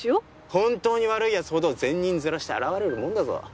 本当に悪い奴ほど善人面して現れるもんだぞ。